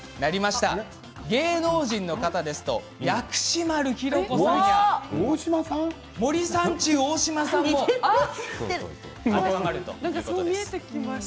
芸能人の方ですと薬師丸ひろ子さん森三中の大島さんも当てはまるそうです。